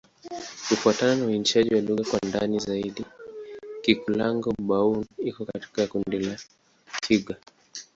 Kufuatana na uainishaji wa lugha kwa ndani zaidi, Kikulango-Bouna iko katika kundi la Kigur.